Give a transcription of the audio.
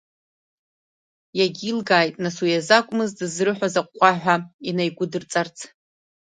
Иагьилгааит, нас, уи азы акәмыз дызрыҳәоз аҟәҟәаҳәа инаигәыдырҵарц.